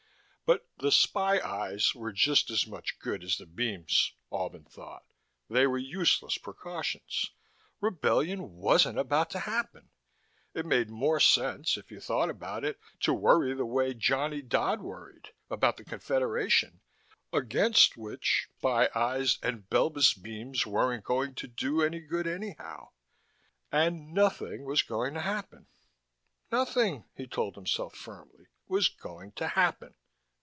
But the spy eyes were just as much good as the beams, Albin thought. They were useless precautions: rebellion wasn't about to happen. It made more sense, if you thought about it, to worry the way Johnny Dodd worried, about the Confederation against which spy eyes and Belbis beams weren't going to do any good anyhow. (And nothing was going to happen. Nothing, he told himself firmly, was going to happen.